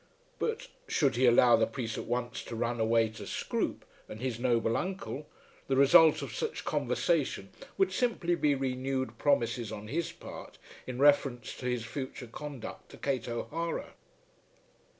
But, should he allow the priest at once to run away to Scroope and his noble uncle, the result of such conversation would simply be renewed promises on his part in reference to his future conduct to Kate O'Hara.